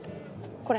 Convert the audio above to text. これ？